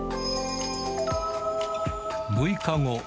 ６日後。